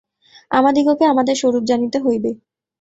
আমাদিগকে আমাদের স্বরূপ জানিতে হইবে।